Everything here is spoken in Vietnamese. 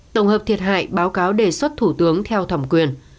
tổng hợp thiệt hại báo cáo đề xuất thủ tướng theo thẩm quyền